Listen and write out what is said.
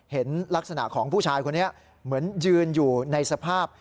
เห็นลักษณะของผู้ชายคนนี้เหมือนยืนอยู่ในสภาพ